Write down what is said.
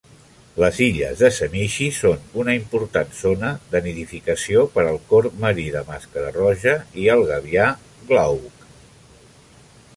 Les illes de Semichi són una important zona de nidificació per al corb marí de màscara roja i el gavià glauc.